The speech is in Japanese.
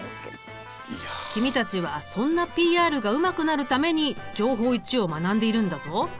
君たちはそんなＰＲがうまくなるために「情報Ⅰ」を学んでいるんだぞ。